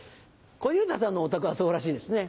小遊三さんのお宅はそうらしいですね。